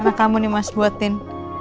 apa kamu nih mas buatin